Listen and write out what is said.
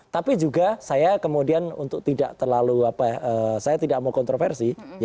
tapi juga saya kemudian untuk tidak terlalu apa ya saya tidak mau kontroversi